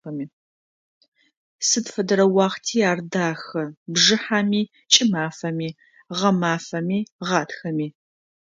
Сыд фэдэрэ уахъти ар дахэ: бжыхьэми, кӏымафэми, гъэмафэми, гъатхэми.